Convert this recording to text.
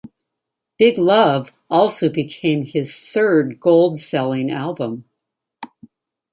"Big Love" also became his third gold-selling album.